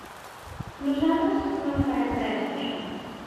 Nosaltres no farem res d'això.